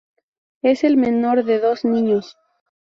Es el menor de dos niños.